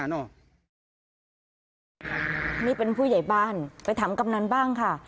นี่เป็นผู้ใหญ่บ้านไปถามกำนันบ้างค่ะ